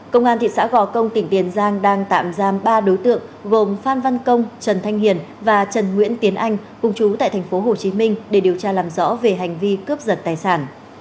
công an thị xã gò công tỉnh tiền giang đang tạm giam ba đối tượng gồm phan văn công trần thanh hiền và trần nguyễn tiến anh cùng chú tại thành phố hồ chí minh để điều tra làm rõ về hành vi cướp giật tài sản